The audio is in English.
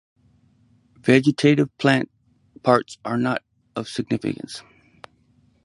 Vegetative plant parts are not of significance.